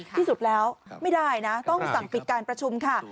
ที่สุดแล้วไม่ได้นะต้องสั่งปิดการประชุมค่ะ